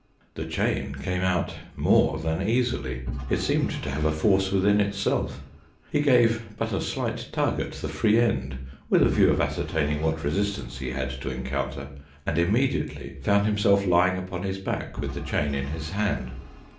The chain came out more than easily. It seemed to have a force within itself. He gave but a slight tug at the free end with a view of ascertaining what resistance he had to encounter, and immediately found himself lying upon his back with the chain in his hand.